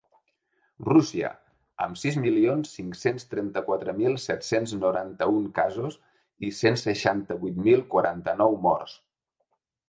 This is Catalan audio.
Rússia, amb sis milions cinc-cents trenta-quatre mil set-cents noranta-un casos i cent seixanta-vuit mil quaranta-nou morts.